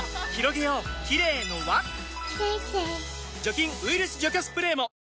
除菌・ウイルス除去スプレーも！